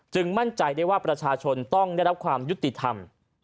มั่นใจได้ว่าประชาชนต้องได้รับความยุติธรรม